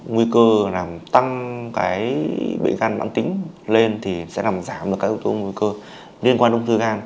nguy cơ làm tăng bệnh gan mạng tính lên thì sẽ làm giảm các yếu tố nguy cơ liên quan ung thư gan